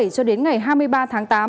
cho đến ngày hai mươi ba tháng tám